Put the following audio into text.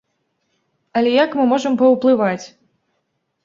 Але як мы можам паўплываць?!